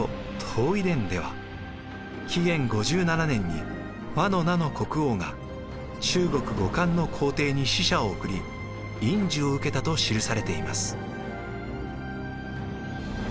東夷伝では紀元５７年に倭の奴の国王が中国・後漢の皇帝に使者を送り印綬を受けたと記されています。